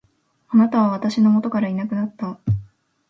貴方は私の元からいなくなった。